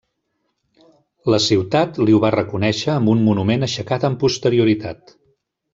La ciutat li ho va reconèixer amb un monument aixecat amb posterioritat.